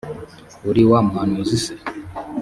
uri wa muhanuzi se